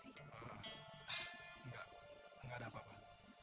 tidak tidak ada apa apa